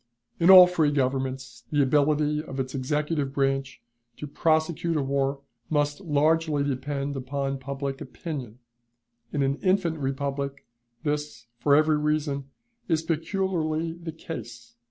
In all free governments, the ability of its executive branch to prosecute a war must largely depend upon public opinion; in an infant republic, this, for every reason, is peculiarly the case.